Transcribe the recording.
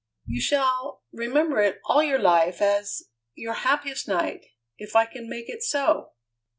"You shall remember it all your life as your happiest night, if I can make it so!"